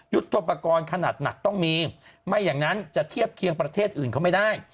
ยุทธโปรกรณ์ขนาดหนักต้องมีไม่อย่างนั้นจะเทียบเคียงประเทศอื่นเขาไม่ได้